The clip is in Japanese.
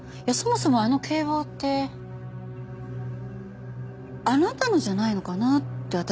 いやそもそもあの警棒ってあなたのじゃないのかなって